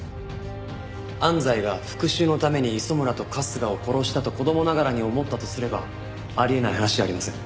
安西が復讐のために磯村と春日を殺したと子供ながらに思ったとすればあり得ない話じゃありません。